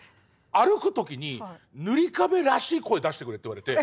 歩く時にぬりかべらしい声出してくれって言われて。